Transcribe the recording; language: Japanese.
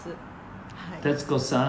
「徹子さん